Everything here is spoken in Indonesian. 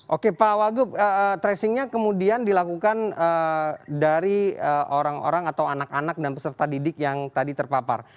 oke pak wagub tracingnya kemudian dilakukan dari orang orang atau anak anak dan peserta didik yang tadi terpapar